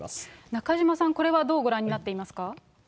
中島さん、これはどうご覧になっていますか。